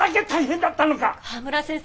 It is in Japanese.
川村先生